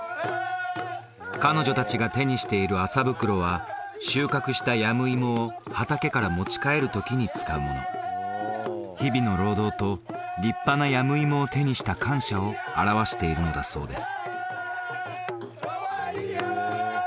彼女達が手にしている麻袋は収穫したヤムイモを畑から持ち帰る時に使うもの日々の労働と立派なヤムイモを手にした感謝を表しているのだそうです